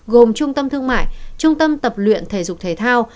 gồm trung tâm thương mại trung tâm tập luyện thể dục thể thao